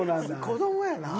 子供やな。